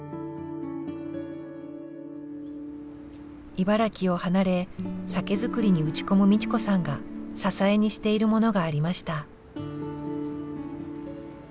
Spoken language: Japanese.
茨城を離れ酒造りに打ち込む美智子さんが支えにしているものがありました。